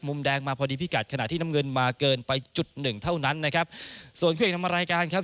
แดงมาพอดีพิกัดขณะที่น้ำเงินมาเกินไปจุดหนึ่งเท่านั้นนะครับส่วนคู่เอกนำรายการครับ